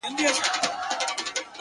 خو كله . كله مي بيا.